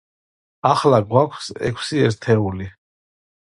ახლა გვაქვს ექვსი ერთეული.